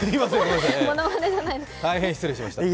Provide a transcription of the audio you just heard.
大変失礼しました。